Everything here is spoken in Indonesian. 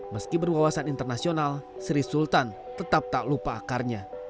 meski berwawasan internasional sri sultan tetap tak lupa akarnya